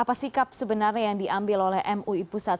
apa sikap sebenarnya yang diambil oleh mui pusat